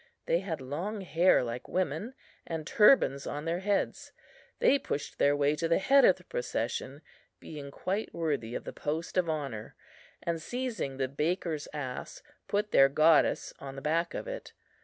They had long hair like women, and turbans on their heads. They pushed their way to the head of the procession, being quite worthy of the post of honour, and, seizing the baker's ass, put their goddess on the back of it.